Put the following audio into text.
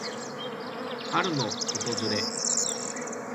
春の訪れ。